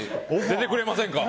出てくれませんか？